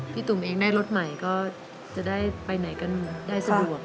ตุ่มเองได้รถใหม่ก็จะได้ไปไหนกันได้สะดวก